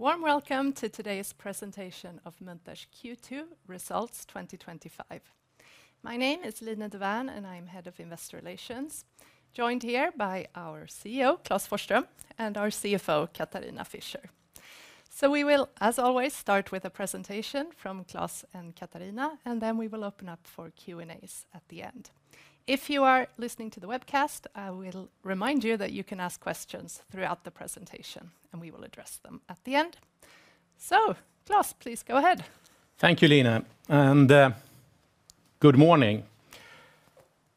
Warm welcome to today's presentation of Mundtash Q2 results 2025. My name is Lina Devann, and I'm Head of Investor Relations, joined here by our CEO, Klaus Vostrom and our CFO, Katarina Fischer. So we will, as always, start with a presentation from Klaus and Katarina, and then we will open up for Q and As at the end. If you are listening to the webcast, I will remind you that you can ask questions throughout the presentation, and we will address them at the end. So Claus, please go ahead. Thank you, Lina, and good morning.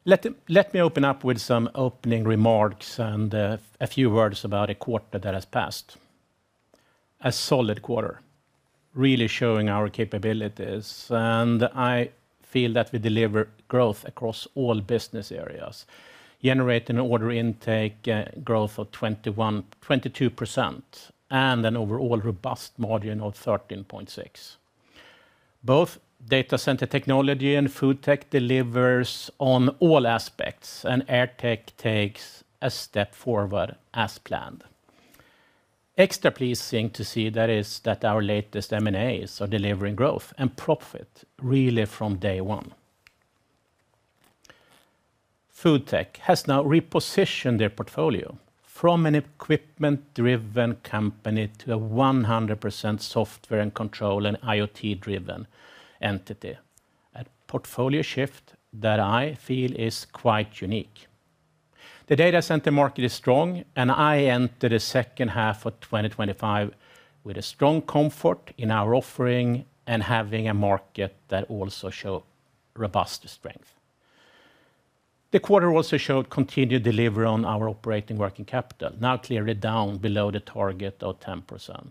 Let me open up with some opening remarks and a few words about a quarter that has passed, a solid quarter, really showing our capabilities. And I feel that we delivered growth across all business areas, generating order intake growth of 22% and an overall robust margin of 13.6 Both Data Center Technology and FoodTech delivers on all aspects, and AirTech takes a step forward as planned. Extra pleasing to see that is that our latest M and As are delivering growth and profit really from day one. FoodTech has now repositioned their portfolio from an equipment driven company to a 100% software and control and IoT driven entity, a portfolio shift that I feel is quite unique. The data center market is strong, and I enter the 2025 with a strong comfort in our offering and having market that also show robust strength. The quarter also showed continued delivery on our operating working capital, now clearly down below the target of 10%.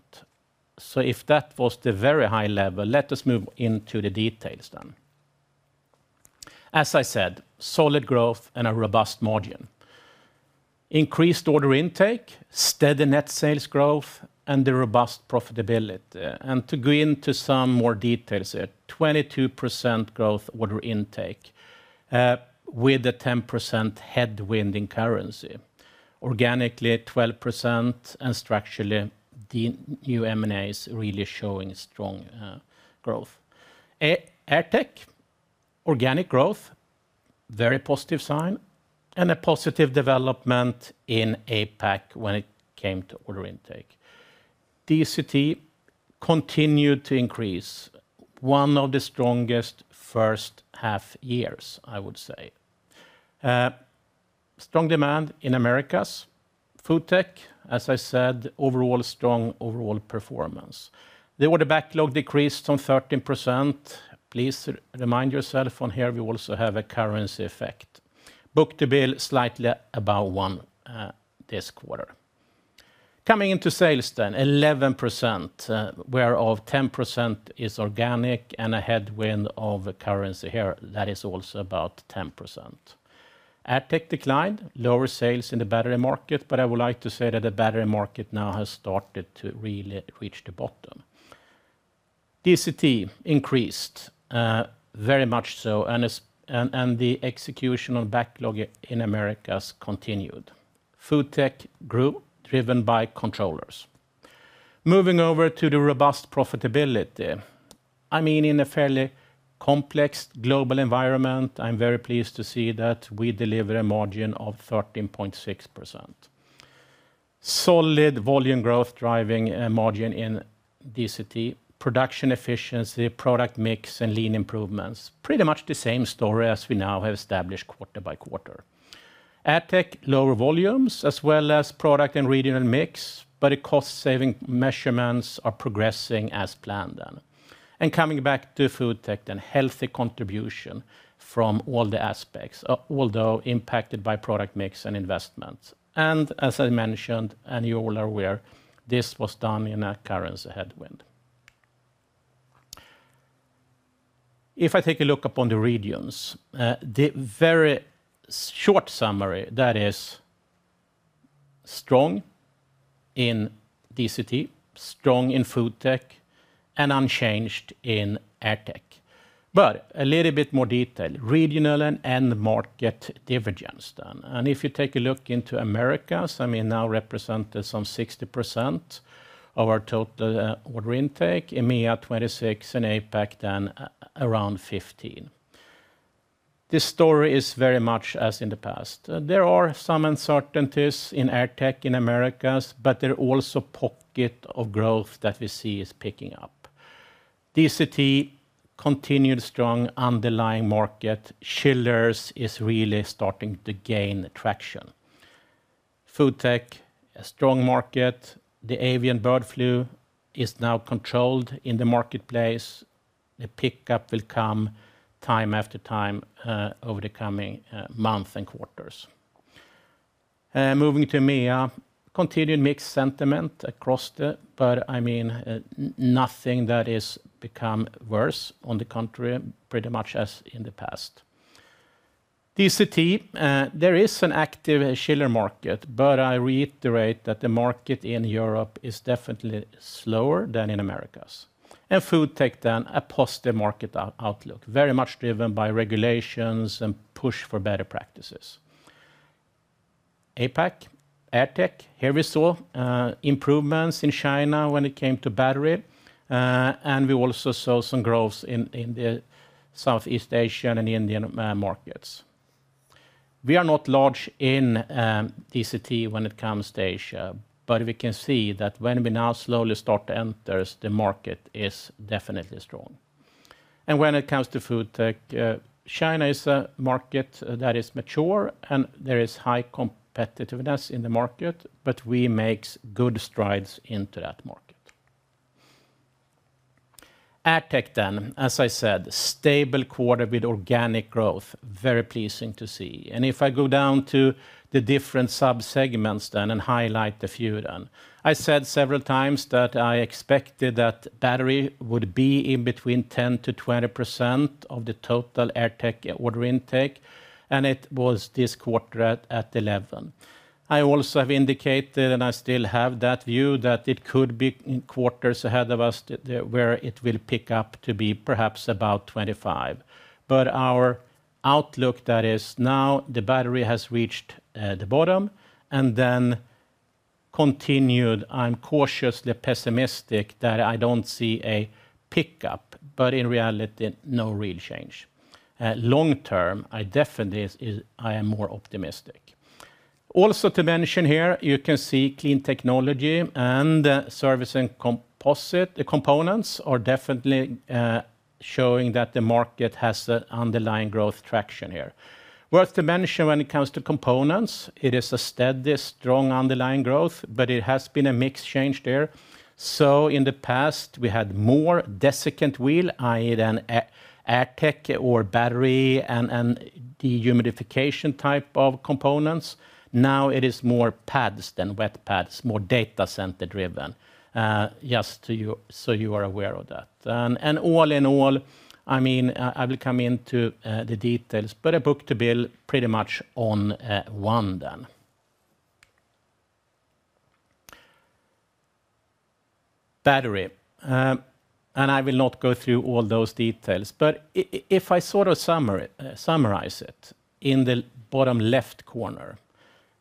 So if that was the very high level, let us move into the details then. As I said, solid growth and a robust margin. Increased order intake, steady net sales growth and the robust profitability. And to go into some more details here, 22% growth order intake with a 10% headwind in currency. Organically, 12% and structurally, the new M and A is really showing strong growth. Airtech, organic growth, very positive sign and a positive development in APAC when it came to order intake. DCT continued to increase, one of the strongest first half years, I would say. Strong demand in Americas. FoodTech, as I said, overall strong overall performance. The order backlog decreased from 13%. Please remind yourself on here, we also have a currency effect. Book to bill, slightly above 1% this quarter. Coming into sales then, 11%, whereof 10% is organic and a headwind of currency here that is also about 10%. AdTech declined, lower sales in the battery market, but I would like to say that the battery market now has started to really reach the bottom. DCT increased very much so and the execution of backlog in Americas continued. FoodTech grew driven by controllers. Moving over to the robust profitability. I mean in a fairly complex global environment, I'm very pleased to see that we delivered a margin of 13.6%. Solid volume growth driving margin in DCT, production efficiency, product mix and lean improvements, pretty much the same story as we now have established quarter by quarter. AdTech, lower volumes as well as product and regional mix, but the cost saving measurements are progressing as planned then. And coming back to FoodTech, then healthy contribution from all the aspects, although impacted by product mix and investments. And as I mentioned and you all are aware, this was done in a currency headwind. If I take a look upon the regions, the very short summary that is strong in DCT, strong in FoodTech and unchanged in AirTech. But a little bit more detail, regional and end market dividends then. And if you take a look into Americas, I mean, now represented some 60% of our total order intake EMEA, 26% and APAC then around 15 This story is very much as in the past. There are some uncertainties in Air Tech in Americas, but there are also pockets of growth that we see is picking up. DCT continued strong underlying market. Schiller's is really starting to gain traction. FoodTech, a strong market. The avian bird flu is now controlled in the marketplace. The pickup will come time after time over the coming months and quarters. Moving to EMEA, continued mixed sentiment across the but I mean nothing that has become worse on the contrary pretty much as in the past. DCT, there is an active chiller market, but I reiterate that the market in Europe is definitely slower than in Americas. And FoodTech then, a positive market outlook, very much driven by regulations and push for better practices. APAC, AirTech, here we saw improvements in China when it came to battery. And we also saw some growth in the Southeast Asian and Indian markets. We are not large in DCT when it comes to Asia, but we can see that when we now slowly start to enter, the market is definitely strong. And when it comes to FoodTech, China is a market that is mature and there is high competitiveness in the market, but we make good strides into that market. AgTech then, as I said, stable quarter with organic growth, very pleasing to see. And if I go down to the different subsegments then and highlight a few then, I said several times that I expected that battery would be in between 10% to 20% of the total Air Tech order intake and it was this quarter at 11%. I also have indicated and I still have that view that it could be quarters ahead of us where it will pick up to be perhaps about 25%. But our outlook that is now the battery has reached the bottom and then continued, I'm cautiously pessimistic that I don't see a pickup, but in reality no real change. Long term, I definitely I am more optimistic. Also to mention here, you can see Clean Technology and Service and Composite components are definitely showing that the market has underlying growth traction here. Worth to mention when it comes to components, it is a steady strong underlying growth, but it has been a mix change there. So in the past, we had more desiccant wheel, I. E. Than agtech or battery and dehumidification type of components. Now it is more pads than wet pads, more data center driven, just so you are aware of that. And all in all, I mean, I will come into the details, but a book to bill pretty much on one then. Battery, and I will not go through all those details, but if I sort of summarize it in the bottom left corner,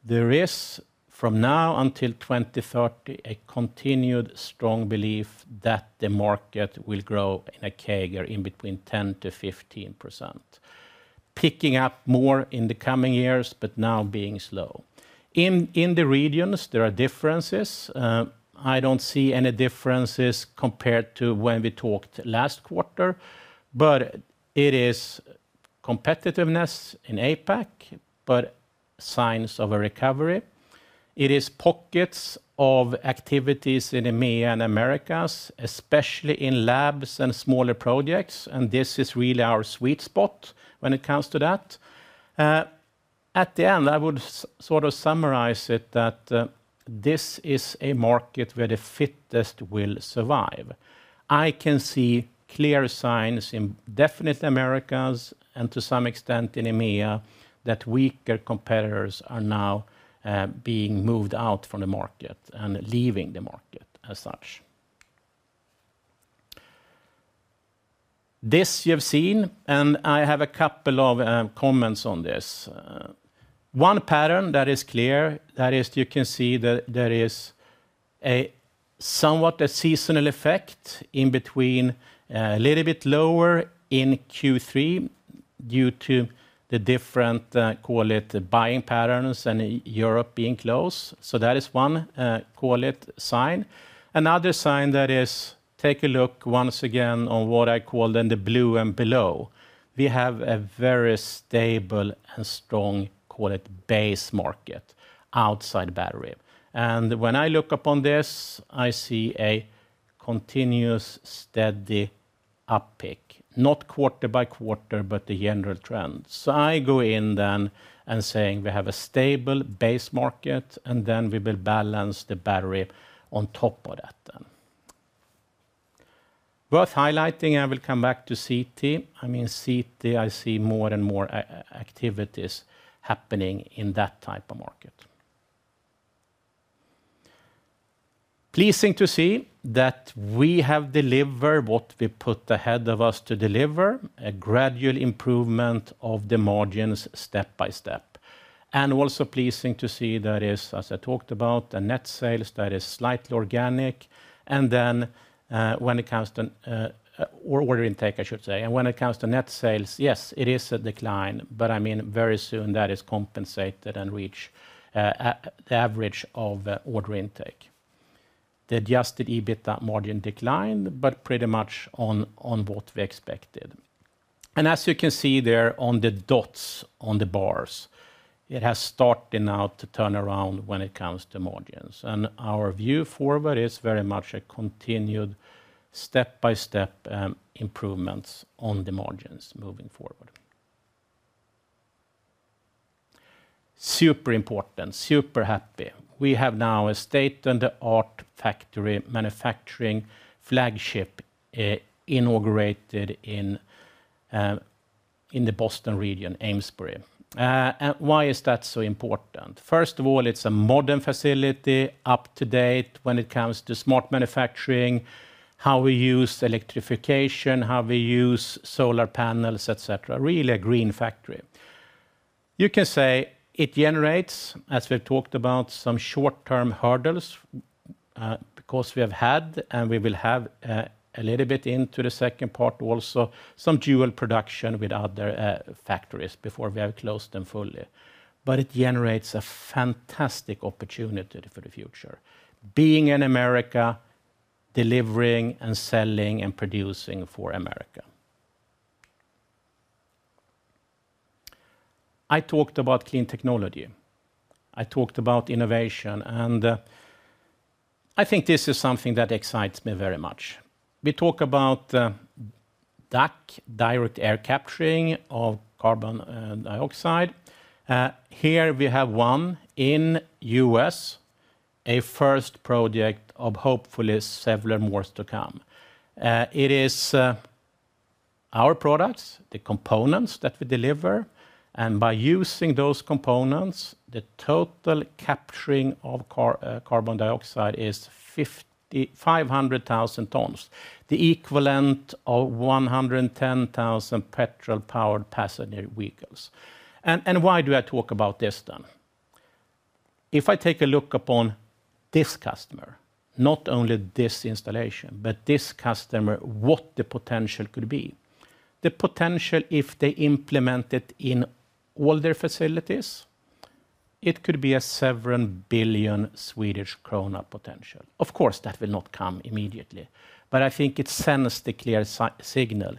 there is, from now until 02/1930, a continued strong belief that the market will grow in a CAGR in between 10% to 15%, picking up more in the coming years, but now being slow. In the regions, there are differences. I don't see any differences compared to when we talked last quarter, but it is competitiveness in APAC, but signs of a recovery. It is pockets of activities in EMEA and Americas, especially in labs and smaller projects, and this is really our sweet spot when it comes to that. At the end, I would sort of summarize it that this is a market where the fittest will survive. I can see clear signs in definite Americas and to some extent in EMEA that weaker competitors are now being moved out from the market and leaving the market as such. This you have seen and I have a couple of comments on this. One pattern that is clear, that is you can see that there is a somewhat a seasonal effect in between a little bit lower in Q3 due to the different, call it, buying patterns and Europe being closed. So that is one, call it, sign. Another sign that is take a look once again on what I call then the blue and below. We have a very stable and strong, call it, base market outside battery. And when I look upon this, I see a continuous steady uptick, not quarter by quarter, but the general trend. So I go in then and saying we have a stable base market and then we will balance the battery on top of that then. Worth highlighting, I will come back to CT. I mean, CT, I see more and more activities happening in that type of market. Pleasing to see that we have delivered what we put ahead of us to deliver, a gradual improvement of the margins step by step. And also pleasing to see that is, as I talked about, the net sales that is slightly organic. And then when it comes to or order intake, I should say. And when it comes to net sales, yes, it is a decline, but I mean very soon that is compensated and reached the average of order intake. The adjusted EBITA margin declined, but pretty much on what we expected. And as you can see there on the dots on the bars, it has started now to turn around when it comes to margins. Margins. And our view forward is very much a continued step by step improvements on the margins moving forward. Super important, super happy. We have now a state of the art factory manufacturing flagship inaugurated in the Boston region, Amesbury. Why is that so important? First of all, it's a modern facility, up to date when it comes to smart manufacturing, how we use electrification, how we use solar panels, etcetera, really a green factory. You can say it generates, as we've talked about, some short term hurdles because we have had and we will have a little bit into the second part also some dual production with other factories before we have closed them fully. But it generates a fantastic opportunity for the future, being in America, delivering and selling and producing for America. I talked about key in technology. I talked about innovation. And I think this is something that excites me very much. We talk about DAC, direct air capturing of carbon dioxide. Here, we have one in U. S, a first project of hopefully several more to come. It is our products, the components that we deliver. And by using those components, the total capturing of carbon dioxide is 500,000 tons, the equivalent of 110,000 petrol powered passenger vehicles. And why do I talk about this then? If I take a look upon this customer, not only this installation, but this customer, what the potential could be? The potential if they implement it in all their facilities, it could be a 7,000,000,000 Swedish krona potential. Of course, that will not come immediately, but I think it sends the clear signal.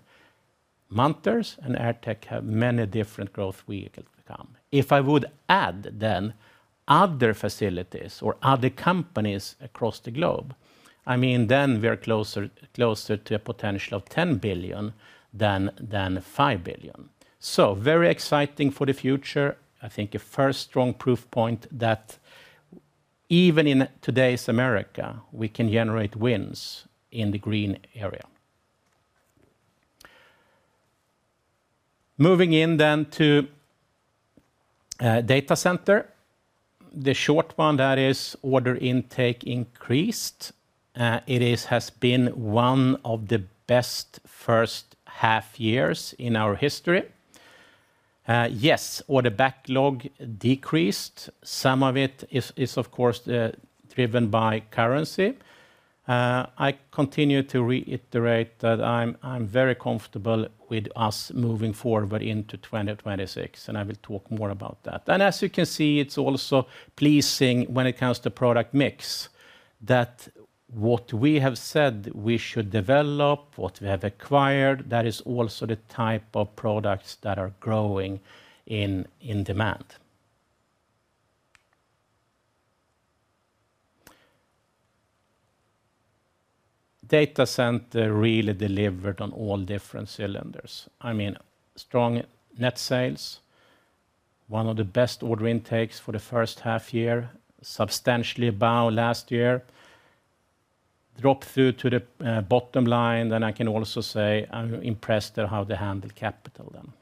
Manters and Airtech have many different growth vehicles to come. If I would add then other facilities or other companies across the globe, I mean, then we are closer to a potential of €10,000,000,000 than €5,000,000,000 So very exciting for the future. I think a first strong proof point that even in today's America, we can generate wins in the green area. Moving in then to data center, the short one that is order intake increased. It has been one of the best first half years in our history. Yes, order backlog decreased. Some of it is, of course, driven by currency. I continue to reiterate that I'm very comfortable with us moving forward into 2026, and I will talk more about that. And as you can see, it's also pleasing when it comes to product mix that what we have said we should develop, what we have acquired, that is also the type of products that are growing in demand. Data center really delivered on all different cylinders. I mean strong net sales, one of the best order intakes for the first half year, substantially above last year, drop through to the bottom line, then I can also say I'm impressed at how they handle capital then.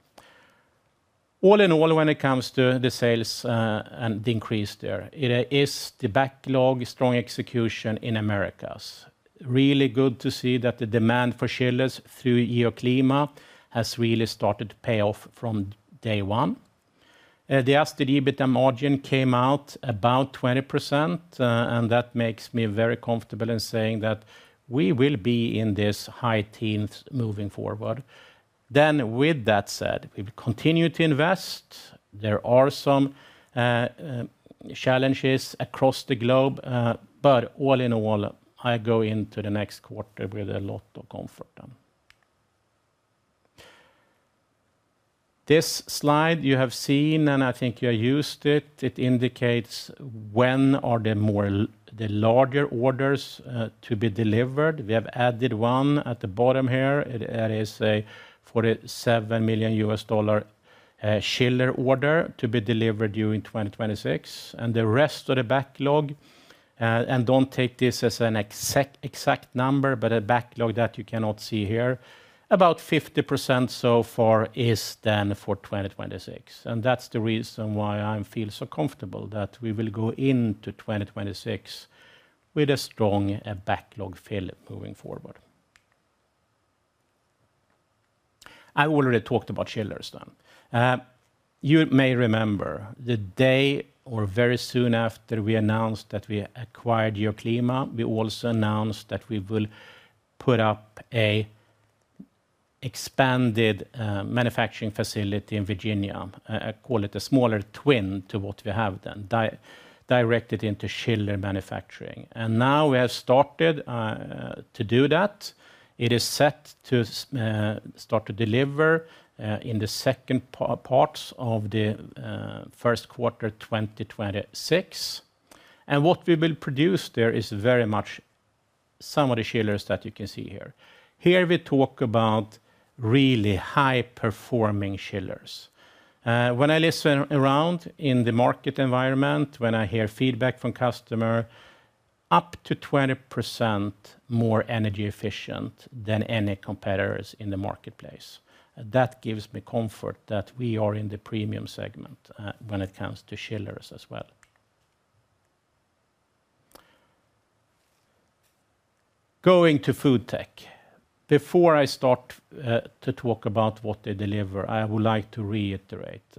All in all, when it comes to the sales the increase there, it is the backlog, strong execution in Americas. Really good to see that the demand for chillers through EIOCLIMA has really started to pay off from day one. The adjusted EBITA margin came out about 20% and that makes me very comfortable in saying that we will be in this high teens moving forward. Then with that said, we continue to invest. There are some challenges across the globe. But all in all, I go into the next quarter with a lot of comfort. This slide you have seen, and I think you used it, it indicates when are the more the larger orders to be delivered. We have added one at the bottom here. That is a $47,000,000 chiller order to be delivered during 2026. And the rest of the backlog and don't take this as an exact number, but a backlog that you cannot see here, about 50% so far is then for 2026. And that's the reason why I feel so comfortable that we will go into 2026 with a strong backlog fill moving forward. I already talked about chillers then. You may remember, the day or very soon after we announced that we acquired Yoklima, we also announced that we will put up an expanded manufacturing facility in Virginia, call it a smaller twin to what we have then, directed into chiller manufacturing. And now we have started to do that. It is set to start to deliver in the second parts of the first quarter twenty twenty six. And what we will produce there is very much some of the chillers that you can see here. Here, we talk about really high performing chillers. When I listen around in the market environment, when I hear feedback from customer, up to 20% more energy efficient than any competitors in the marketplace. That gives me comfort that we are in the premium segment when it comes to chillers as well. Going to FoodTech. Before I start to talk about what they deliver, I would like to reiterate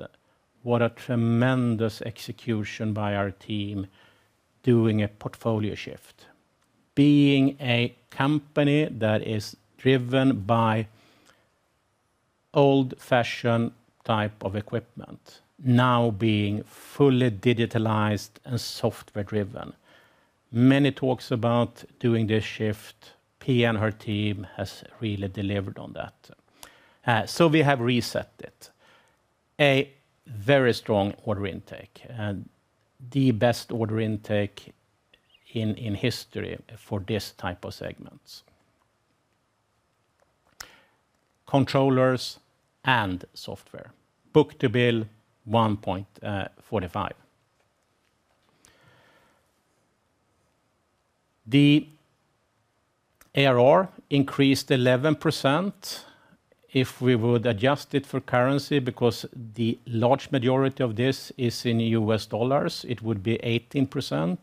what a tremendous execution by our team doing a portfolio shift. Being a company that is driven by old fashioned type of equipment, now being fully digitalized and software driven. Many talks about doing this shift. Pia and her team has really delivered on that. So we have reset it. A very strong order intake and the best order intake in history for this type of segments. Controllers and software, book to bill 1.45. The ARR increased 11%. If we would adjust it for currency, because the large majority of this is in U. S. Dollars, it would be 18%.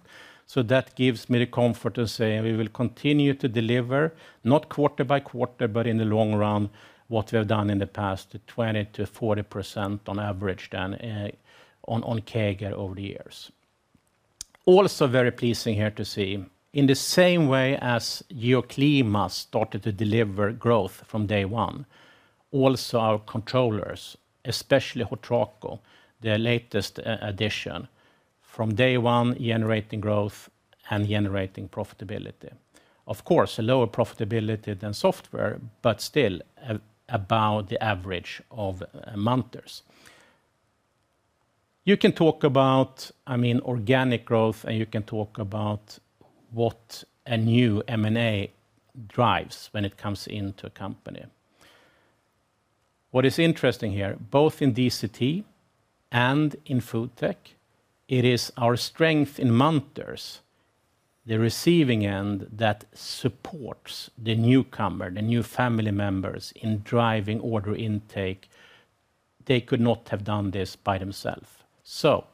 So that gives me the comfort to say we will continue to deliver not quarter by quarter, but in the long run what we have done in the past, 20% to 40% on average then on CAGR over the years. Also very pleasing here to see, in the same way as Euclima started to deliver growth from day one, also our controllers, especially Hotraco, their latest addition, from day one generating growth and generating profitability. Of course, a lower profitability than software, but still above the average of mounters. You can talk about, I mean, organic growth and you can talk about what a new M and A drives when it comes into a company. What is interesting here, both in DCT and in FoodTech, it is our strength in Mantors, the receiving end that supports the newcomer, the new family members in driving order intake. They could not have done this by themselves. So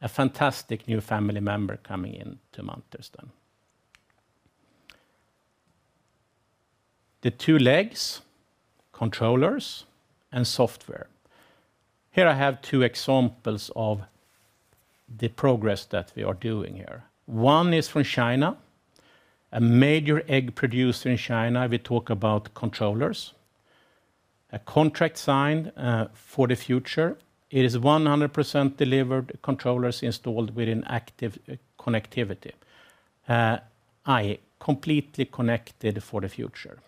a fantastic new family member coming into Manters then. The two legs, controllers and software. Here I have two examples of the progress that we are doing here. One is from China, a major egg producer in China. We talk about controllers. A contract signed for the future is 100% delivered controllers installed within active connectivity, I. Completely connected for the future.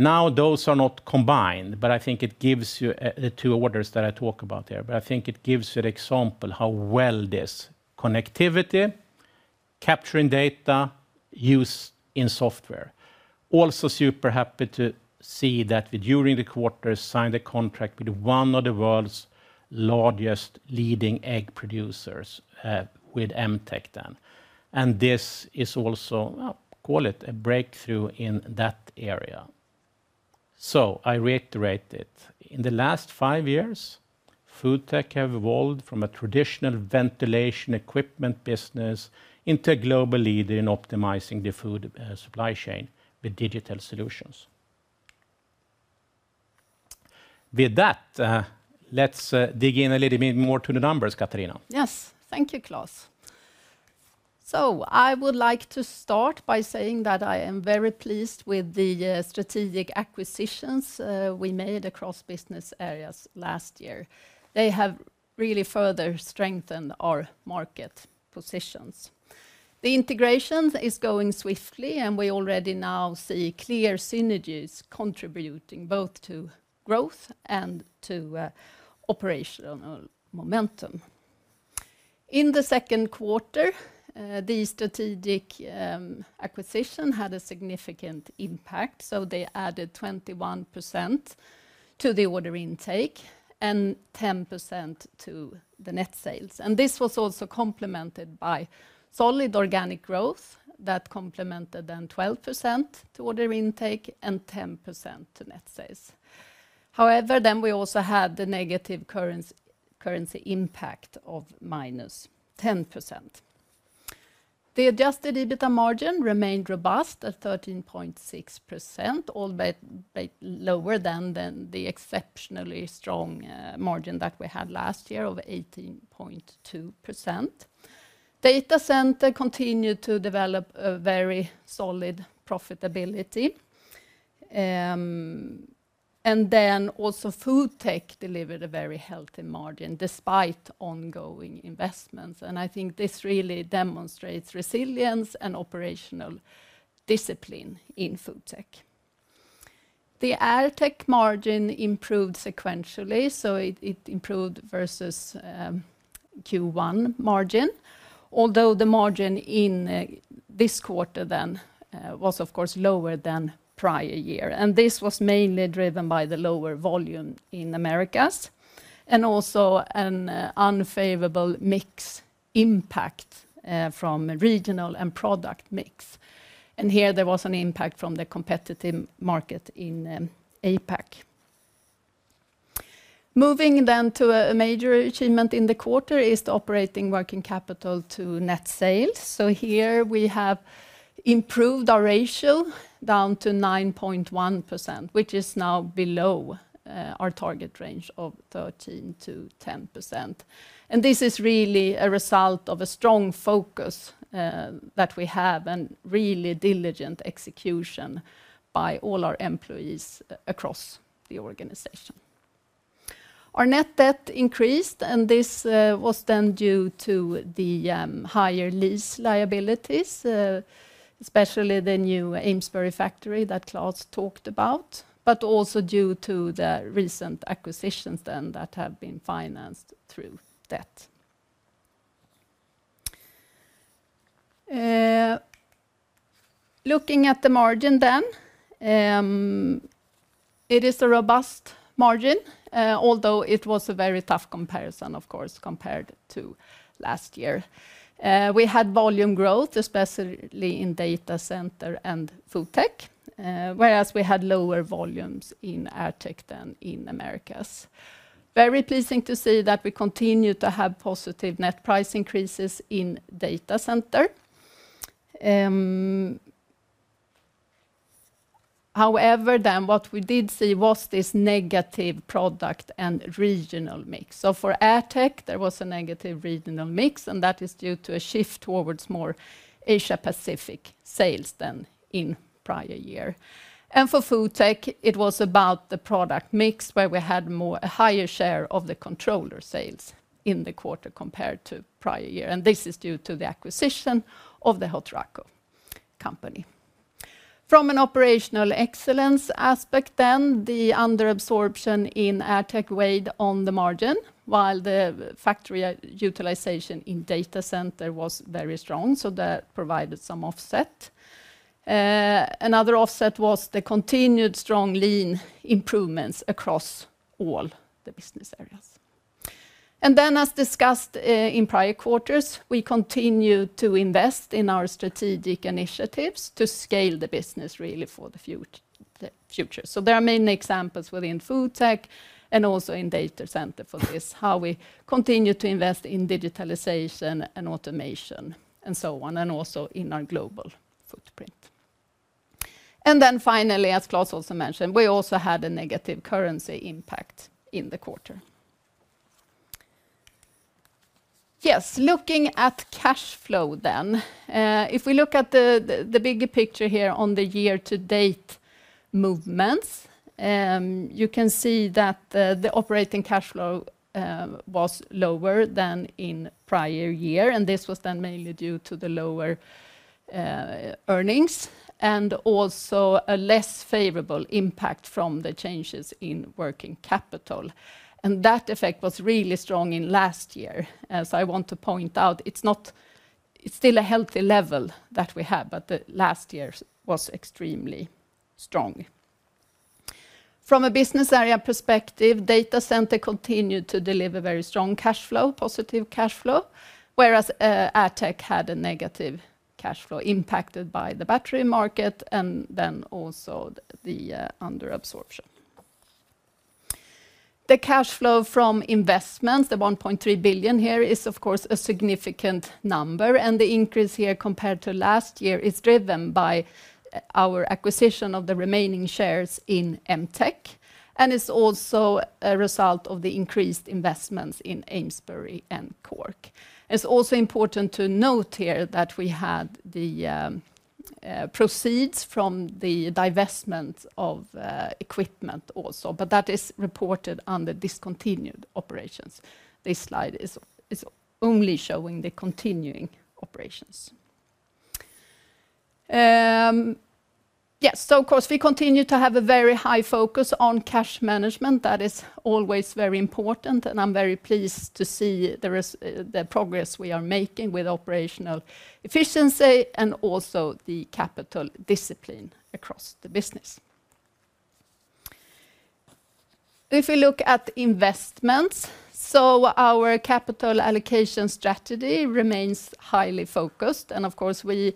Now those are not combined, but I think it gives you the two orders that I talked about here, but I think it gives you an example how well this connectivity, capturing data, use in software. Also super happy to see that during the quarter, signed a contract with one of the world's largest leading egg producers with MTech then. And this is also, call it, a breakthrough in that area. So I reiterate it. In the last five years, FoodTech have evolved from a traditional ventilation equipment business into a global leader in optimizing the food supply chain with digital solutions. With that, let's dig in a little bit more to the numbers, Katharina. Yes. Thank you, Klaus. So I would like to start by saying that I am very pleased with the strategic acquisitions we made across business areas last year. They have really further strengthened our market positions. The integration is going swiftly, and we already now see clear synergies contributing both to growth and to operational momentum. In the second quarter, the strategic acquisition had a significant impact, so they added 21% to the order intake and 10% to the net sales. And this was also complemented by solid organic growth that complemented then 12% to order intake and 10% to net sales. However, then we also had the negative currency impact of minus 10%. The adjusted EBITA margin remained robust at 13.6%, albeit lower exceptionally strong margin that we had last year of 18.2%. Data center continued to develop a very solid profitability. And then also FoodTech delivered a very healthy margin despite ongoing investments. And I think this really demonstrates resilience and operational discipline in FoodTech. The Altek margin improved sequentially, so it improved versus Q1 margin, although the margin in this quarter then was, of course, lower And this was mainly driven by the lower volume in Americas and also an unfavorable mix impact from regional and product mix. And here, there was an impact from the competitive market in APAC. Moving then to a major achievement in the quarter is the operating working capital to net sales. So here, we have improved our ratio down to 9.1%, which is now below our target range of 13% to 10%. And this is really a result of a strong focus that we have and really diligent execution by all our employees across the organization. Our net debt increased, and this was then due to the higher lease liabilities, especially the new Amesbury factory that Klaus talked about, but also due to the recent acquisitions then that have been financed through debt. Looking at the margin then, it is a robust margin, although it was a very tough comparison, of course, compared to last year. We had volume growth, especially in Data Center and FoodTech, whereas we had lower volumes in AirTech than in Americas. Very pleasing to see that we continue to have positive net price increases in data center. However, then what we did see was this negative product and regional mix. So for Airtek, there was a negative regional mix and that is due to a shift towards more Asia Pacific sales than in prior year. And for FoodTech, it was about the product mix, where we had more a higher share of the controller sales in the quarter compared to prior year. And this is due to the acquisition of the Hautrako company. From an operational excellence aspect then, the under absorption in Airtek weighed on the margin, while the factory utilization in data center was very strong, so that provided some offset. Another offset was the continued strong lean improvements across all the business areas. And then as discussed in prior quarters, we continue to invest in our strategic initiatives to scale the business really for the future. So there are many examples within FoodTech and also in data center for this, how we continue to invest in digitalization and automation and so on and also in our global footprint. And then finally, as Klaus also mentioned, we also had a negative currency impact in the quarter. Yes, looking at cash flow then. If we look at the bigger picture here on the year to date movements, You can see that the operating cash flow was lower than in prior year, and this was then mainly due to the lower earnings and also a less favorable impact from the changes in working capital. And that effect was really strong in last year. As I want to point out, it's not it's still a healthy level that we have, but last year was extremely strong. From a business area perspective, Data Center continued to deliver very strong cash flow positive cash flow, whereas ATEC had a negative cash flow impacted by the battery market and then also the under absorption. The cash flow from investments, the 1,300,000,000.0 here is, of course, a significant number. And the increase here compared to last year is driven by our acquisition of the remaining shares in MTECH and is also a result of the increased investments in Amesbury and Cork. It's also important to note here that we had the proceeds from the divestment of equipment also, but that is reported under discontinued operations. This slide is only showing the continuing operations. Yes, so of course, we continue to have a very high focus on cash management. That is always very important, and I'm very pleased to see the progress we are making with operational efficiency and also the capital discipline across the business. If we look at investments, so our capital allocation strategy remains highly focused. And of course, we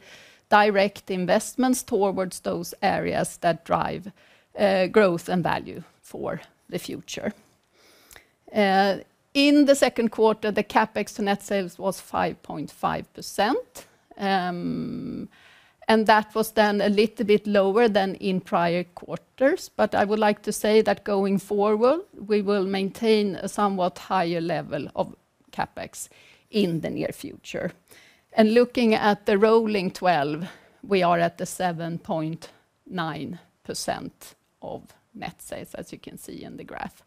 direct investments towards those areas that drive growth and value for the future. In the second quarter, the CapEx to net sales was 5.5%, and that was then a little bit lower than in prior quarters. But I would like to say that going forward, we will maintain a somewhat higher level of CapEx in the near future. And looking at the rolling 12, we are at the 7.9% of net sales, as you can see in the graph.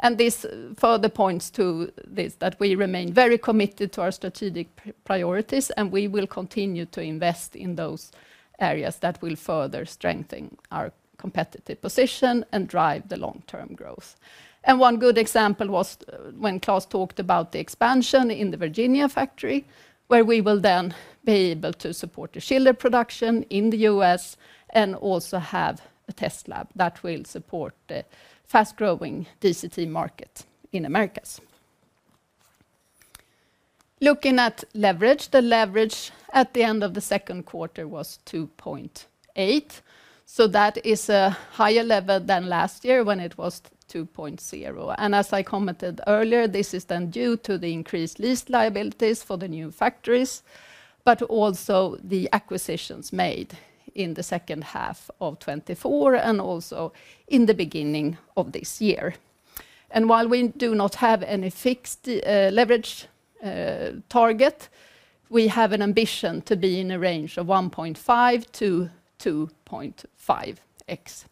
And this further points to this, that we remain very committed to our strategic priorities and we will continue to invest in those areas that will further strengthen our competitive position and drive the long term growth. And one good example was when Klaus talked about the expansion in the Virginia factory, where we will then be able to support the chiller production in The U. S. And also have a test lab that will support the fast growing DCT market in Americas. Looking at leverage. The leverage at the end of the second quarter was 2.8. So that is a higher level than last year when it was two point zero. And as I commented earlier, this is then due to the increased lease liabilities for the new factories, but also the acquisitions made in the 2024 and also in the beginning of this year. And while we do not have any fixed leverage target, we have an ambition to be in a range of 1.5x to 2.5x.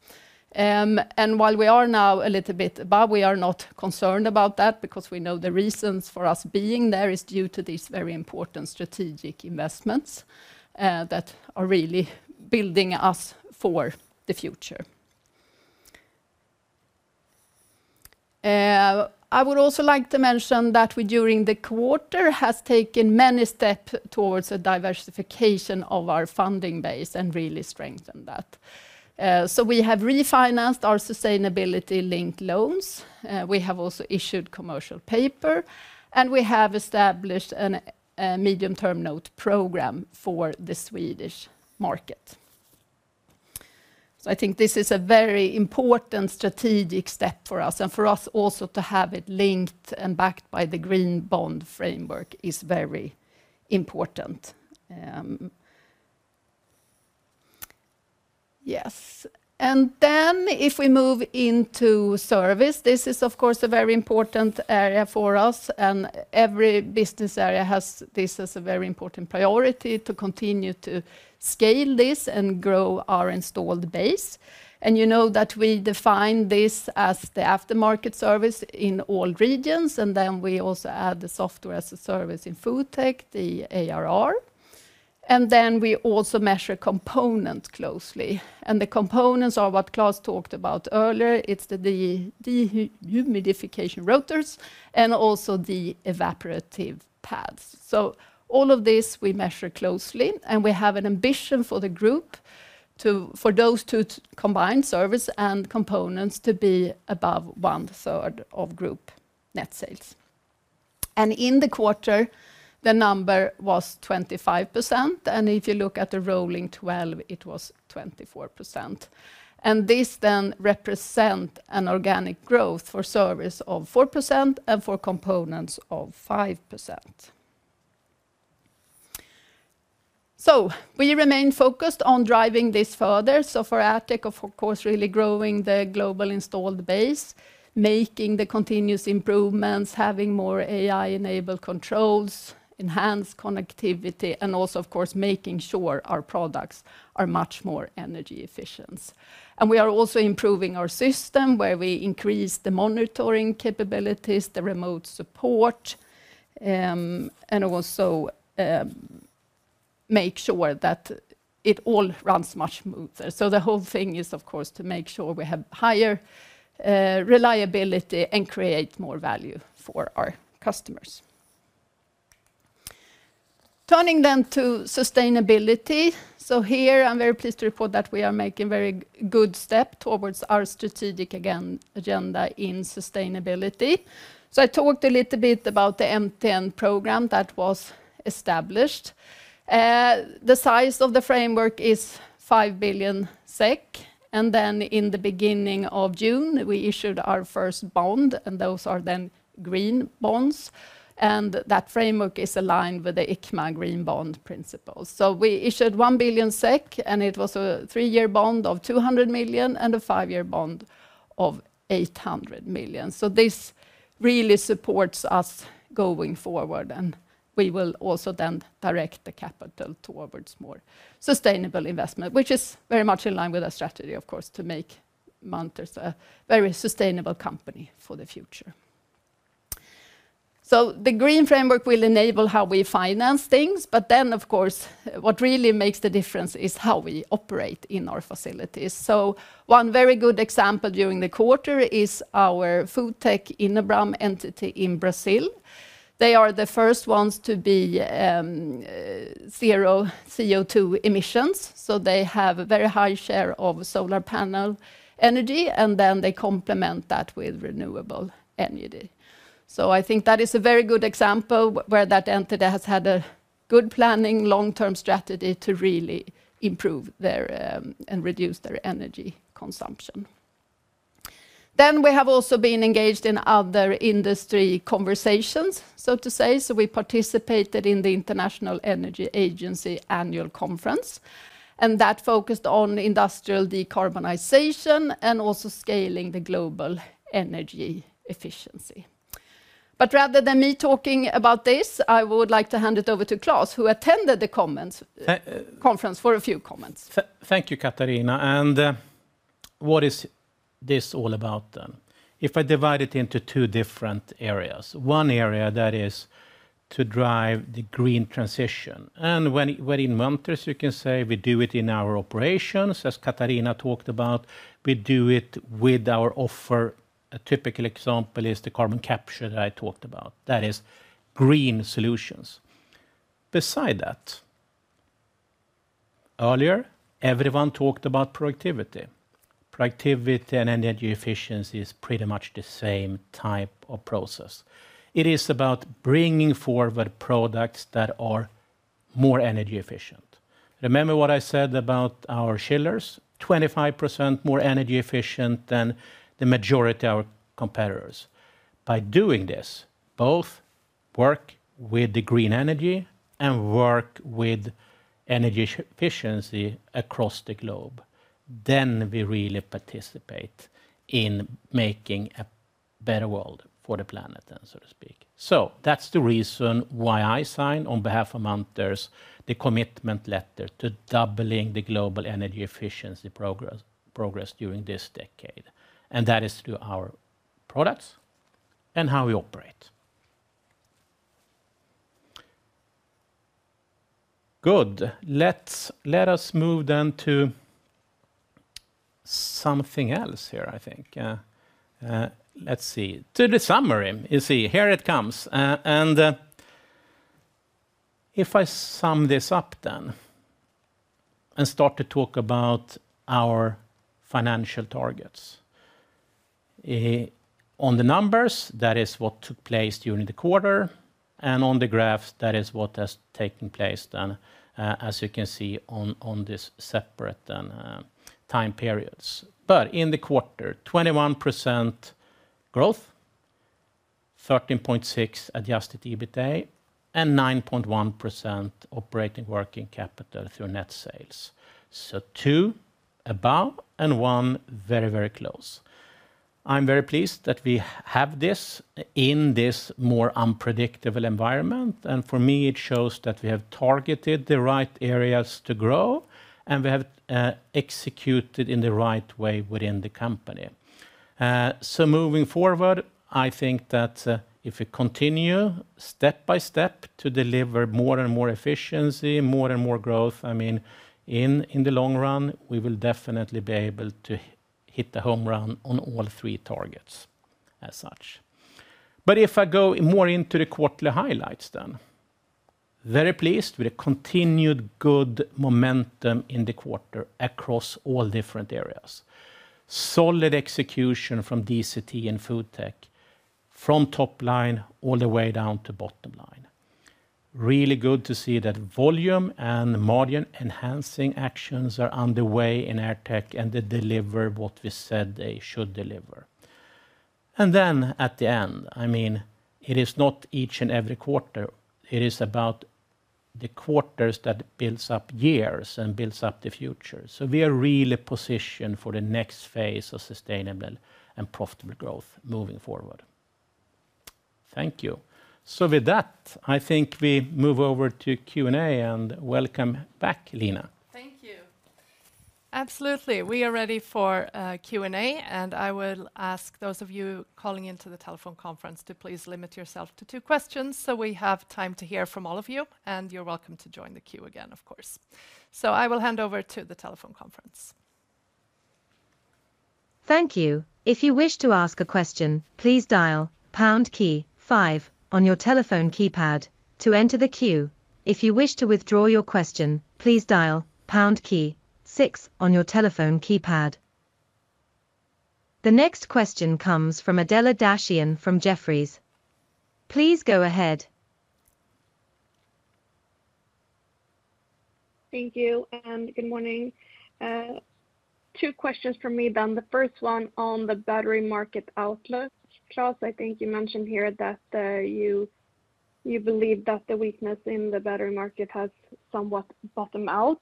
And while we are now a little bit above, we are not concerned about that because we know the reasons for us being there is due to these very important strategic investments that are really building us for the future. I would also like to mention that we, during the quarter, have taken many steps towards a diversification of our funding base and really strengthened that. So we have refinanced our sustainability linked loans. We have also issued commercial paper. And we have established a medium term note program for the Swedish market. So I think this is a very important strategic step for us and for us also to have it linked and backed by the green bond framework is very important. Yes. And then if we move into service, this is, of course, a very important area for us and every business area has this as a very important priority to continue to scale this and grow our installed base. And you know that we define this as the aftermarket service in all regions, and then we also add the Software as a Service in FoodTech, the ARR. And then we also measure components closely. And the components are what Klaus talked about earlier. It's the dehumidification rotors and also the evaporative pads. So all of this, we measure closely, and we have an ambition for the group to for those two combined, service and components, to be above onethree of group net sales. And in the quarter, the number was 25%. And if you look at the rolling 12, it was 24%. And this then represents an organic growth for Service of four percent and for Components of 5%. So we remain focused on driving this further. So for Attic, of course, really growing the global installed base, making the continuous improvements, having more AI enabled controls, enhanced connectivity and also, of course, making sure our products are much more energy efficient. And we are also improving our system, where we increased the monitoring capabilities, the remote support and also make sure that it all runs much smoother. So the whole thing is, of course, to make sure we have higher reliability and create more value for our customers. Turning then to sustainability. So here, I'm very pleased to report that we are making very good step towards our strategic agenda in sustainability. So I talked a little bit about the MTN program that was established. The size of the framework is 5,000,000,000 SEK. And then in the June, we issued our first bond, and those are then green bonds. And that framework is aligned with the IKMA green bond principles. So we issued 1,000,000,000 SEK, and it was a three year bond of 200,000,000 and a five year bond of 800,000,000. So this really supports us going forward, and we will also then direct the capital towards more sustainable investment, which is very much in line with our strategy, of course, to make Mantors a very sustainable company for the future. So the green framework will enable how we finance things, but then, of course, what really makes the difference is how we operate in our facilities. So one very good example during the quarter is our FoodTech Innerbrum entity in Brazil. They are the first ones to be zero CO2 emissions. So they have a very high share of solar panel energy, and then they complement that with renewable energy. So I think that is a very good example where that entity has had a good planning, long term strategy to really improve their and reduce their energy consumption. Then we have also been engaged in other industry conversations, so to say. So we participated in the International Energy Agency Annual Conference, and that focused on industrial decarbonization and also scaling the global energy efficiency. But rather than me talking about this, I would like to hand it over to Klaus, who attended the comments conference for a few comments. Thank you, Katharina. And what is this all about then? If I divide it into two different areas, one area that is to drive the green transition. And when inventors, you can say, we do it in our operations, as Katharina talked about, we do it with our offer. A typical example is the carbon capture that I talked about, that is green solutions. Beside that, earlier everyone talked about productivity. Productivity and energy efficiency is pretty much the same type of process. It is about bringing forward products that are more energy efficient. Remember what I said about our chillers? 25% more energy efficient than the majority of our competitors. By doing this, both work with the green energy and work with energy efficiency across the globe, then we really participate in making a better world for the planet, so to speak. So that's the reason why I signed on behalf of Manters the commitment letter to doubling the global energy efficiency progress during this decade, and that is through our products and how we operate. Good. Let us move then to something else here, I think. Let's see. To the summary, you see, here it comes. And if I sum this up then and start to talk about our financial targets. On the numbers, that is what took place during the quarter. And on the graph, that is what has taken place then as you can see on these separate time periods. But in the quarter, 21% growth, 13.6% adjusted EBITA and 9.1% operating working capital through net sales. So 2% above and 1% very, very close. I'm very pleased that we have this in this more unpredictable environment. And for me, it shows that we have targeted the right areas to grow and we have executed in the right way within the company. So moving forward, I think that if we continue step by step to deliver more and more efficiency, more and more growth, I mean, in the long run, we will definitely be able to hit the home run on all three targets as such. But if I go more into the quarterly highlights then, very pleased with the continued good momentum in the quarter across all different areas. Solid execution from DCT and FoodTech from top line all the way down to bottom line. Really good to see that volume and margin enhancing actions are underway in AirTech and they deliver what we said they should deliver. And then at the end, I mean, it is not each and every quarter, it is about the quarters that builds up years and builds up the future. So we are really positioned for the next phase of sustainable and profitable growth moving forward. Thank you. So with that, I think we move over to Q and A. And welcome back, Lina. Thank you. Absolutely. We are ready for Q and A. And I will ask those of you calling into the telephone conference to please limit yourself to two questions so we have time to hear from all of you. And you're welcome to join the queue again, of course. So I will hand over to the telephone conference. The next question comes from Adela Dashian from Jefferies. Two questions from me then. The first one on the battery market outlook. Charles, I think you mentioned here that you believe that the weakness in the battery market has somewhat bottomed out.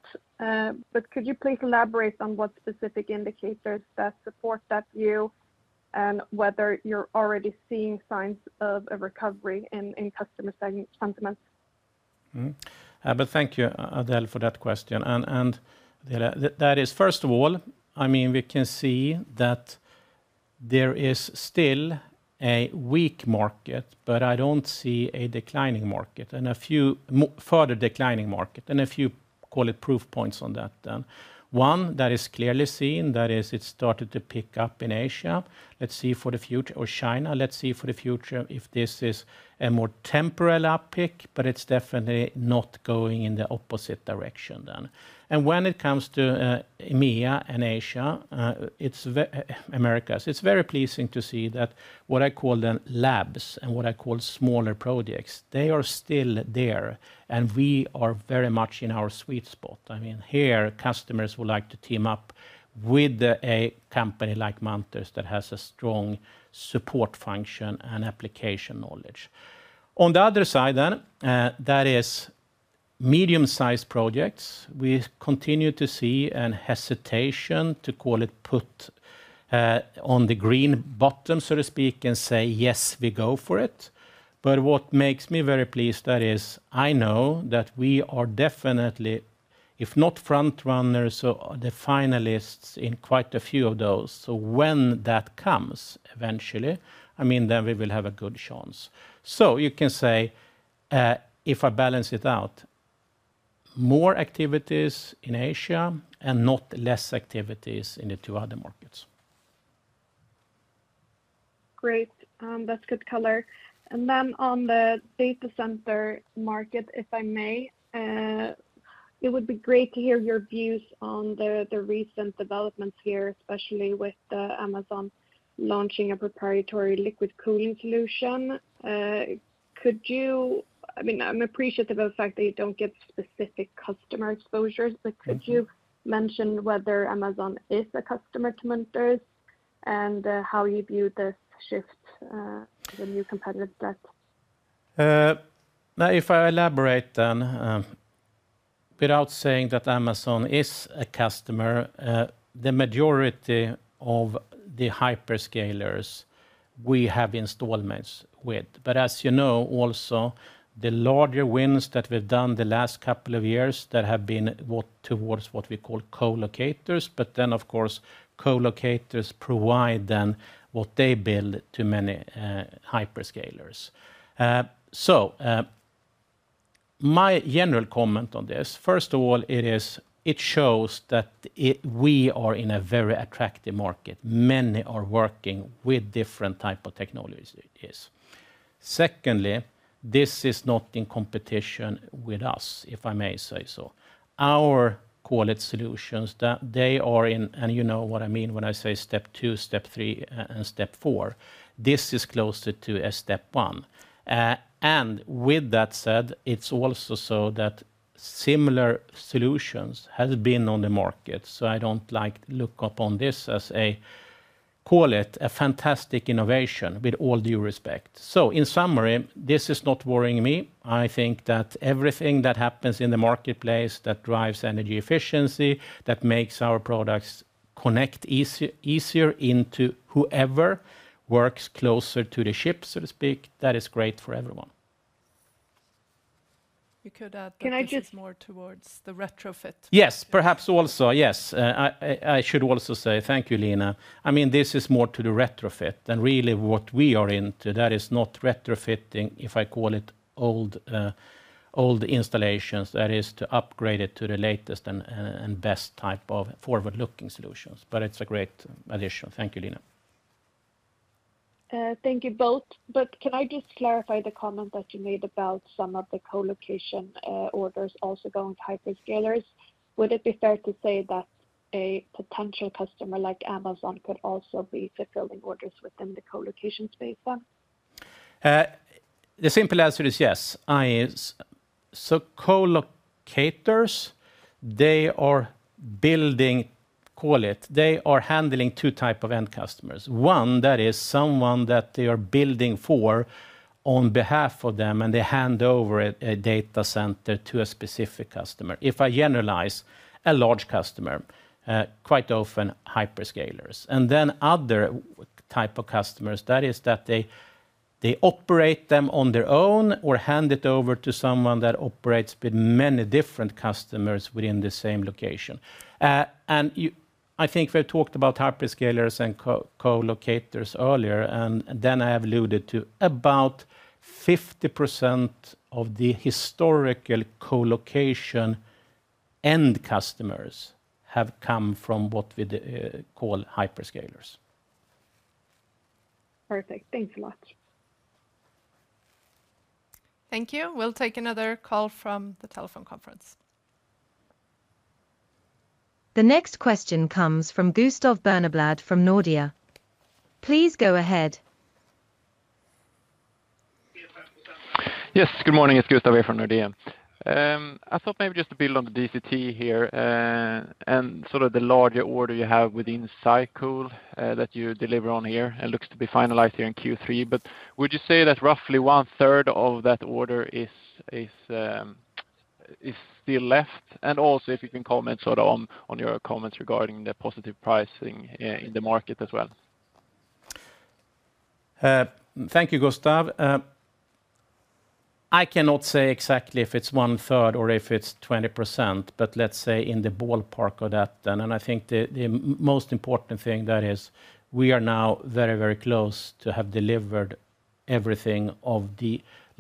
But could you please elaborate on what specific indicators that support that view and whether you're already seeing signs of a recovery in customer sentiment? But thank you, Adele, for that question. And that is, first of all, I mean, we can see that there is still a weak market, but I don't see a declining market and a few further declining market and a few, call it, proof points on that then. One that is clearly seen, that is it started to pick up in Asia. Let's see for the future or China, let's see for the future if this is a more temporal uptick, but it's definitely not going in the opposite direction then. And when it comes to EMEA and Asia, it's Americas, it's very pleasing to see that what I call then labs and what I call smaller projects, they are still there and we are very much in our sweet spot. I mean here, customers would like to team up with a company like Mantis that has a strong support function and application knowledge. On the other side then, that is medium sized projects. We continue to see a hesitation to call it put on the green button, so to speak, and say yes, we go for it. But what makes me very pleased that is, I know that we are definitely, if not front runners or the finalists in quite a few of those. So when that comes eventually, I mean, then we will have a good chance. So you can say, if I balance it out, more activities in Asia and not less activities in the two other markets. Great. That's good color. And then on the data center market, if I may, it would be great to hear your views on the recent developments here, especially with Amazon launching a proprietary liquid cooling solution. Could you I mean, I'm appreciative of the fact that you don't get specific customer exposures, but could you mention whether Amazon is a customer to Mentors and how you view this shift to the new competitive set? Now if I elaborate then, without saying that Amazon is a customer, the majority of the hyperscalers we have installments with. But as you know also, the larger wins that we've done the last couple of years that have been towards what we call co locators, but then of course co locators provide then what they build to many hyperscalers. So my general comment on this, first of all, it is it shows that we are in a very attractive market. Many are working with different type of technologies. Secondly, this is not in competition with us, if I may say so. Our, call it, solutions, are in and you know what I mean when I say step two, step three and step four, this is closer to step one. And with that said, it's also so that similar solutions has been on the market. So I don't like to look upon this as a, call it, a fantastic innovation with all due respect. So in summary, this is not worrying me. I think that everything that happens in the marketplace that drives energy efficiency, that makes our products connect easier into whoever works closer to the ship, so to speak, that is great for everyone. Could add more Yes, towards perhaps also, yes. I should also say thank you, Lina. I mean this is more to the retrofit than really what we are into. That is not retrofitting, if I call it, installations, that is to upgrade it to the latest and best type of forward looking solutions, but it's a great addition. Thank you, Lina. Thank you both. But can I just clarify the comment that you made about some of the colocation orders also going to hyperscalers? Would it be fair to say that a potential customer like Amazon could also be fulfilling orders within the colocation space then? The simple answer is yes. So colocators, they are building call it, they are handling two type One, that is someone that they are building for on behalf of them and they hand over a data center to a specific customer. If I generalize a large customer, quite often hyperscalers. And then other type of customers, that is that they operate them on their own or hand it over to someone that operates with many different customers within the same location. And I think we've talked about hyperscalers and co locators earlier. And then I have alluded to about 50% of the historical co location end customers have come from what we call hyperscalers. Perfect. Thanks a lot. Thank you. We'll take another call from the telephone conference. The next question comes from Gustav Bernablade from Nordea. Please go ahead. Good morning. It's Gustav Birnablat from Nordea. I thought maybe just to build on the DCT here and sort of the larger order you have within cycle that you deliver on here. It looks to be finalized here in Q3. But would you say that roughly onethree of that order is still left? And also, if you can comment sort of on your comments regarding the positive pricing in the market as well. Thank you, Gustav. I cannot say exactly if it's one third or if it's 20%, but let's say in the ballpark of that then. And I think the most important thing that is we are now very, very close to have delivered everything of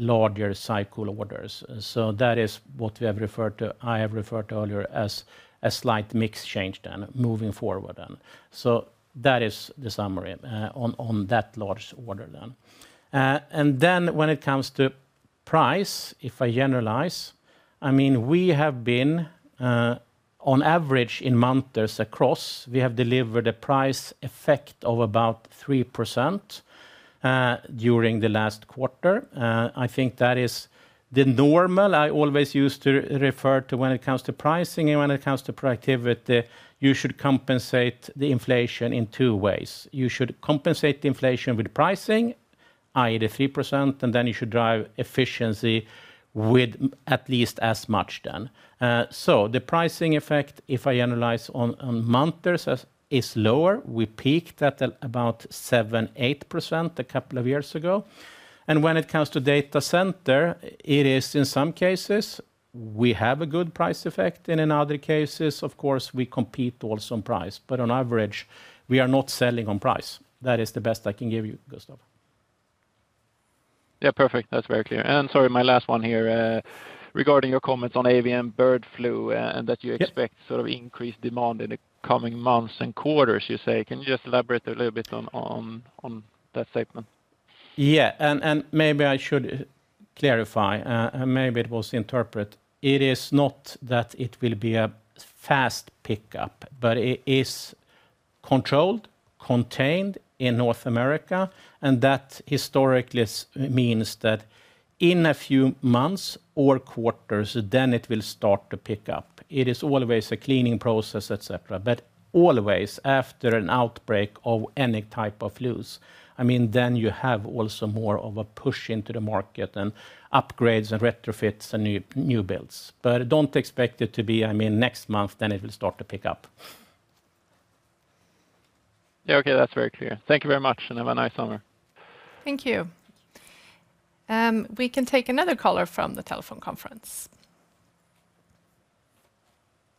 the larger cycle orders. So that is what we have referred to I have referred to earlier as a slight mix change then moving forward then. So that is the summary on that large order then. And then when it comes to price, if I generalize, I mean, we have been on average in matters across, we have delivered a price effect of about 3% during the last quarter. I think that is the normal I always used to refer to when it comes to pricing and when it comes to productivity, you should compensate the inflation in two ways. You should compensate inflation with pricing, I. The 3% and then you should drive efficiency with at least as much then. So the pricing effect, if I analyze on monitors, is lower. We peaked at about 7%, 8% a couple of years ago. And when it comes to data center, it is in some cases, we have a good price effect and in other cases, of course, we compete also on price. But on average, we are not selling on price. That is the best I can give you, Gustaf. Yes, perfect. That's very clear. And sorry, my last one here Regarding your comments on AVM bird flu that you expect sort of increased demand in the coming months and quarters, you say. Can you just elaborate a little bit on that statement? Yes. And maybe I should clarify and maybe it was interpret. It is not that it will be a fast pickup, but it is controlled, contained in North America and that historically means that in a few months or quarters, then it will start to pick up. It is always a cleaning process, etcetera, but always after an outbreak of any type of flus. I mean, then you have also more of a push into the market and upgrades and retrofits and new builds. But don't expect it to be, I mean, next month then it will start to pick up. Okay, that's very clear. Thank you very much and have a nice summer. Thank you. We can take another caller from the telephone conference.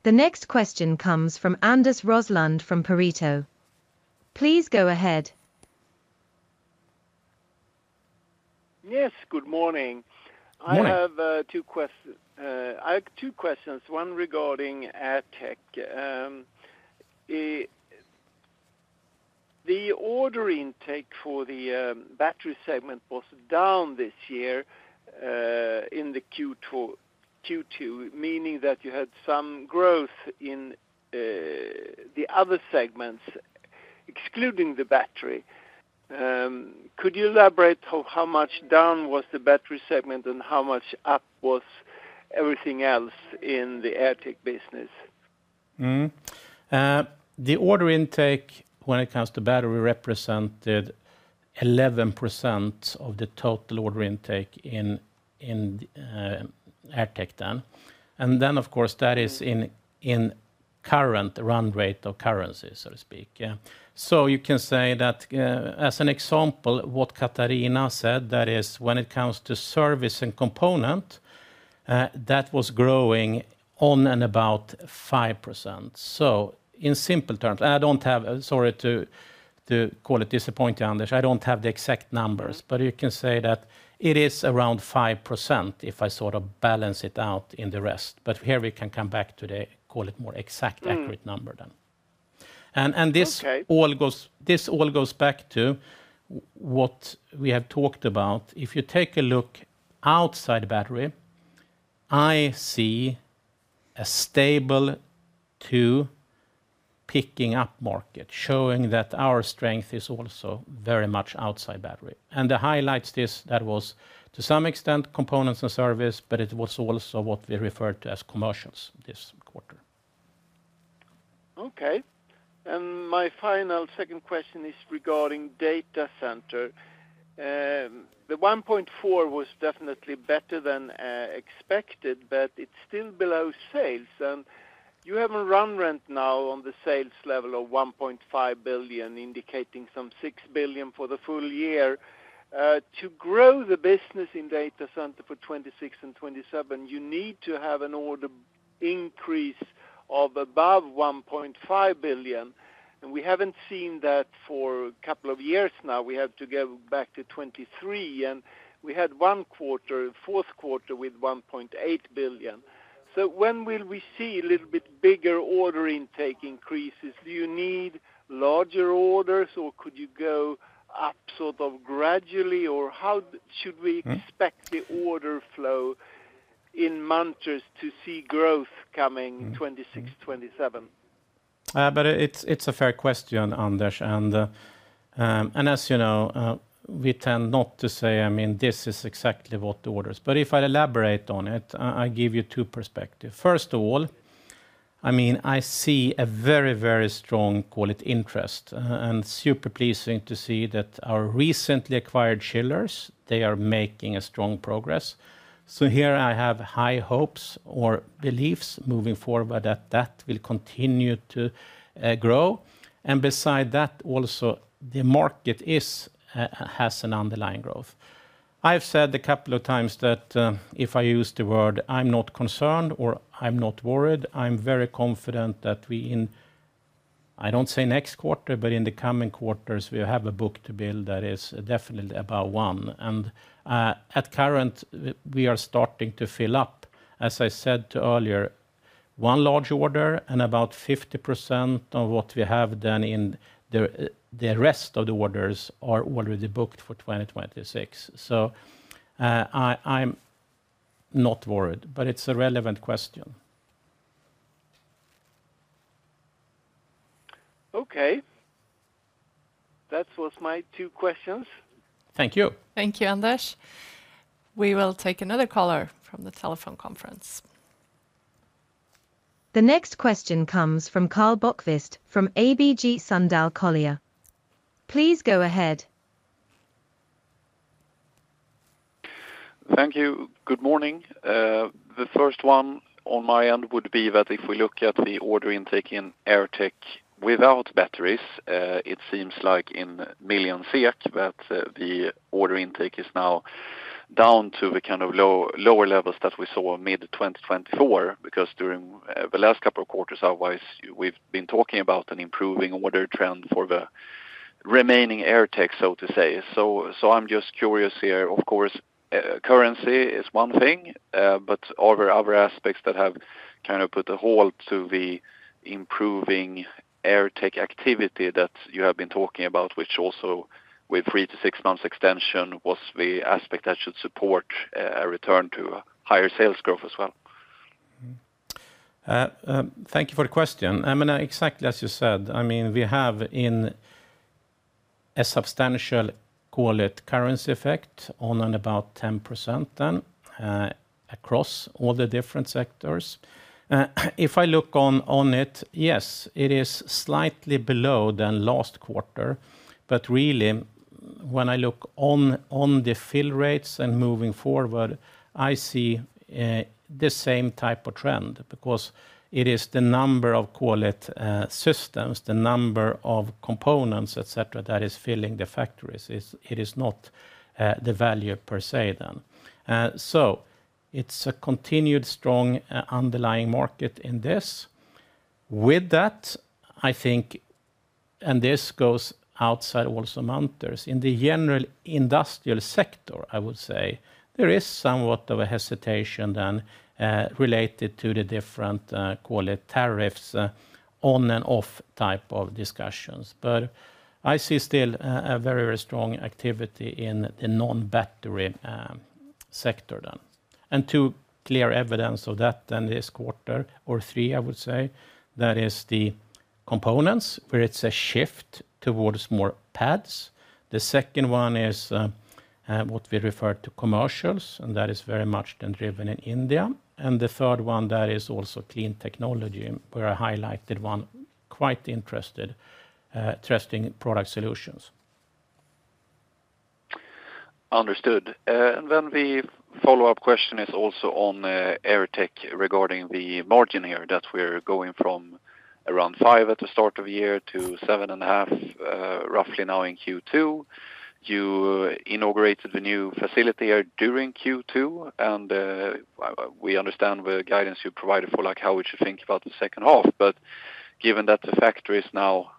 The next question comes from Anders Rosland from Pareto. Please go ahead. Yes. Good morning. I have two questions. One regarding AdTech. The order intake for the battery segment was down this year in the Q2, meaning that you had some growth in the other segments excluding the battery. Could you elaborate how much down was the battery segment and how much up was everything else in the airtight business? The order intake when it comes to battery represented 11% of the total order intake in Airtek then. And then, of course, that is in current run rate of currency, to speak. So you can say that as an example, what Katharina said that is when it comes to service and component, that was growing on and about 5%. So in simple terms, I don't have sorry to call it disappointing, Anders, I don't have the exact numbers, but you can say that it is around 5% if I sort of balance it out in the rest. But here we can come back to the, call it, more exact accurate number then. And this all goes back to what we have talked about. If you take a look outside battery, I see a stable two picking up market, showing that our strength is also very much outside battery. And the highlights is that was to some extent components and service, but it was also what we referred to as commercials this quarter. Okay. And my final second question is regarding data center. The 1,400,000,000.0 was definitely better than expected, but it's still below sales. And you have a run rate now on the sales level of 1,500,000,000.0, indicating some 6,000,000,000 for the full year. To grow the business in data center for 2026 and 2027, you need to have an order increase of above €1,500,000,000 and we haven't seen that for a couple of years now. We have to go back to 23,000,000,000 and we had one quarter fourth quarter with 1,800,000,000.0 So when will we see a little bit bigger order intake increases? Do you need larger orders? Or could you go up sort of gradually? Or how should we expect the order flow in Mantras to see growth coming 2026, 2027? But it's a fair question, Anders. And as you know, we tend not to say, I mean, this is exactly But if I elaborate on it, I give you two perspectives. First of all, I mean, I see a very, very strong, call it, interest and super pleasing to see that our recently acquired chillers, they are making a strong progress. So here I have high hopes or beliefs moving forward that, that will continue to grow. And beside that also, the market is has an underlying growth. I've said a couple of times that if I use the word I'm not concerned or I'm not worried, I'm very confident that we in I don't say next quarter, but in the coming quarters, have a book to bill that is definitely above one. And at current, we are starting to fill up, as I said earlier, one large order and about 50% of what we have then in the rest of the orders are already booked for 2026. So I'm not worried, but it's a relevant question. Okay. That was my two questions. Thank you. Thank you, Anders. We will take another caller from the telephone conference. The next question comes from Karl Bochvist from ABG Sundal Collier. Thank you. Good morning. The first one on my end would be that if we look at the order intake in Airtek without batteries, it seems like in million SEAT that the order intake is now down to the kind of lower levels that we saw mid-twenty twenty four because during the last couple of quarters otherwise, we've been talking about an improving order trend for the remaining air tech, so to say. So I'm just curious here. Of course, currency is one thing, but are there other aspects that have kind of put a hold to the improving air take activity that you have been talking about, which also with three to six months extension was the aspect that should support a return to higher sales growth as well? Thank you for the question. I mean exactly as you said, I mean we have in a substantial, call it, currency effect on and about 10% then across all the different sectors. If I look on it, yes, it is slightly below than last quarter. But really, when I look on the fill rates and moving forward, I see the same type of trend, because it is the number of, call it, systems, the number of components, etcetera, that is filling the factories. It is not the value per se then. So it's a continued strong underlying market in this. With that, I think and this goes outside also matters. In the general industrial sector, I would say, there is somewhat of a hesitation then related to the different, call it, tariffs on and off type of discussions. But I see still a very, very strong activity in the non battery sector then. And two clear evidence of that in this quarter or three, I would say, that is the components where it's a shift towards more pads. The second one is what we refer to commercials, and that is very much then driven in India. And the third one, that is also clean technology, where I highlighted one quite interesting product solutions. Understood. And then the follow-up question is also on ERTEC regarding the margin here that we're going from around 5% at the start of the year to 7.5% roughly now in Q2. You inaugurated the new facility during Q2. And we understand the guidance you provided for like how we should think about the second half. But given that the factory is now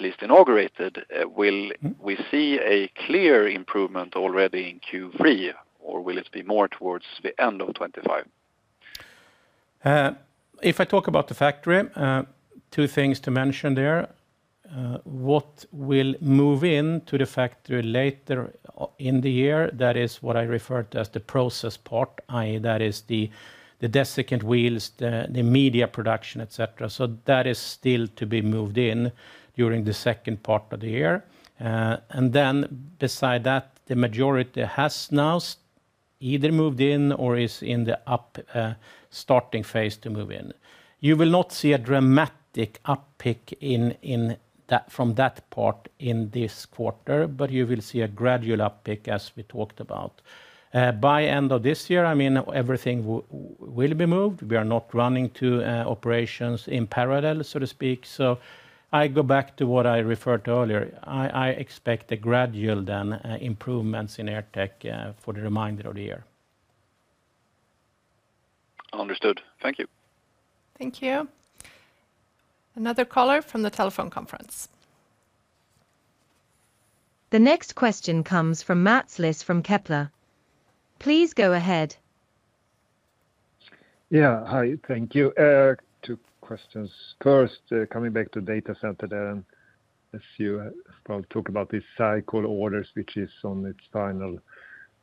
least inaugurated, will we see a clear improvement already in Q3? Or will it be more towards the end of 2025? If I talk about the factory, two things to mention there. What will move into the factory later in the year, that is what I refer to as the process part, I. E, that is the desiccant wheels, media production, etcetera. So that is still to be moved in during the second part of the year. And then beside that, the majority has now either moved in or is in the up starting phase to move in. You will not see a dramatic uptick in that from that part in this quarter, but you will see a gradual uptick as we talked about. By end of this year, I mean, everything will be moved. We are not running to operations in parallel, so to speak. So I go back to what I referred to earlier. I expect a gradual then improvements in AirTech for the remainder of the year. Understood. Thank you. Thank you. Another caller from the telephone conference. The next question comes from Mats Lis from Kepler. Please go ahead. Yes. Hi, thank you. Two questions. First, coming back to data center there. And as you probably talk about this cycle orders, which is on its final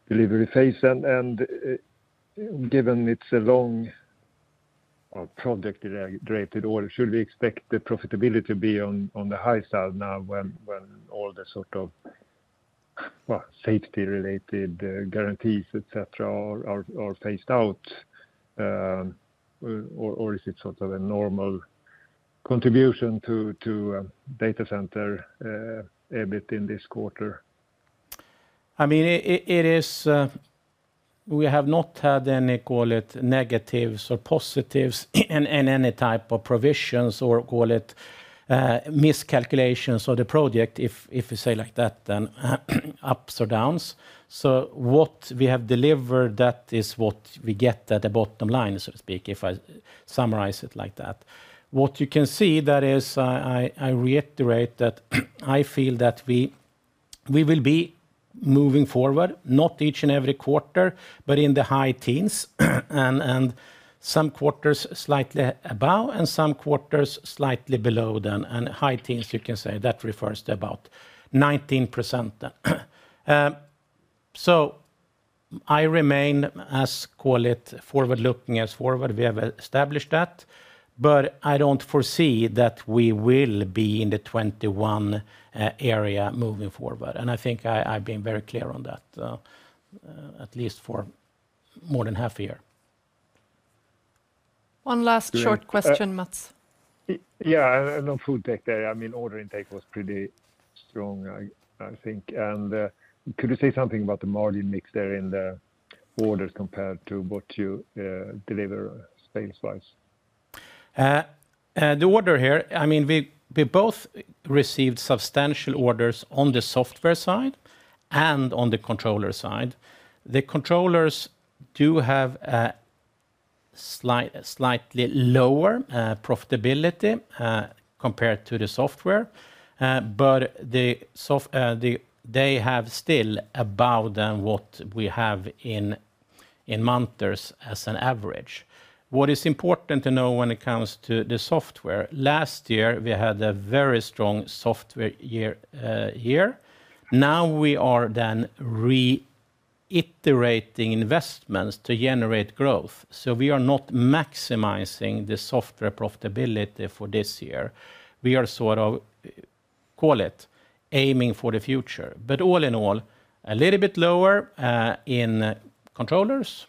delivery phase. And given it's a long project related order, should we expect the profitability to be on the high side now when all the sort of safety related guarantees, etcetera, are phased out? Or is it sort of a normal contribution to data center EBIT in this quarter? I mean, it is we have not had any, call it, negatives or positives in any type of provisions or call it miscalculations of the project, if you say like that then ups or downs. So what we have delivered that is what we get at the bottom line, so to speak, if I summarize it like that. What you can see that is, I reiterate that I feel that we will be moving forward not each and every quarter, but in the high teens and some quarters slightly above and some quarters slightly below then and high teens you can say that refers to about 19%. So I remain as call it forward looking as forward. We have established that, but I don't foresee that we will be in the 2021 area moving forward. And I think I've been very clear on that at least for more than half a year. Last Yes. Short question, And on FoodTech there, I mean order intake was pretty strong, I think. And could you say something about the margin mix there in the orders compared to what you deliver sales wise? The order here, I mean, we both received substantial orders on the software side and on the controller side. The controllers do have slightly lower profitability compared to the software, but they have still above than what we have in Manters as an average. What is important to know when it comes to maximizing the software profitability for this year. We are sort of, call it, aiming for the future. But all in all, a little bit lower in controllers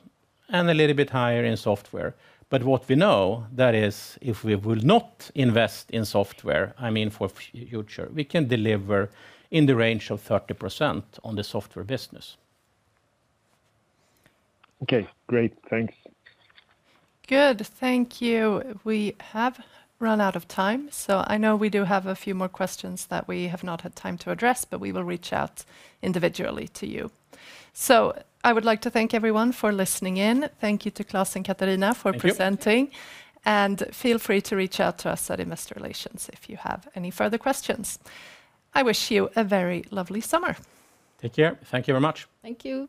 and a little bit higher in software. But what we know that is if we will not invest in software, I mean, for future, we can deliver in the range of 30% on the software business. Okay, great. Thanks. Good. Thank you. We have run out of time. So I know we do have a few more questions that we have not had time to address, but we will reach out individually to you. So I would like to thank everyone for listening in. Thank you to Klaus and Katarina for And feel free to reach out to us at Investor Relations if you have any further questions. I wish you a very lovely summer. Take care. Thank you very much. Thank you.